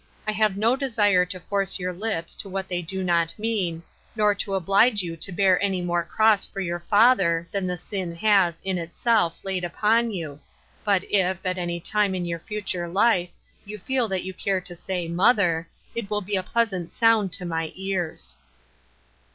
I have no desire to force your lips to what they do not mean, nor to oblige you to bear any more cross for your father, than the sin has, in itself, laid upon you, but if, at any time in your future life, you feel that you care to say, "Mother," it will be a pleasant sound to my ears."